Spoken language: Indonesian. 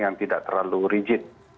yang tidak terlalu rigid